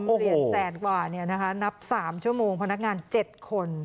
เหรียญแสนกว่าเนี่ยนะคะนับ๓ชั่วโมงพอนักงาน๗คน